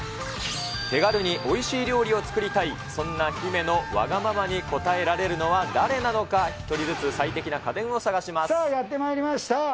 手軽においしい料理を作りたい、そんな姫のわがままにこたえられるのは誰なのか、１人ずつ最適なさあ、やってまいりました。